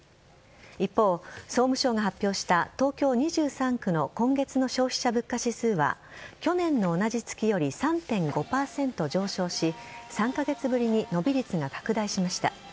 一方、総務省が発表した東京２３区の今月の消費者物価指数は去年の同じ月より３．５％上昇し３カ月ぶりに伸び率が拡大しました。